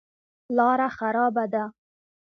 لاره خرابه ده.